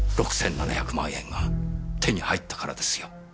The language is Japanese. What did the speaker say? ６７００万円が手に入ったからですよ。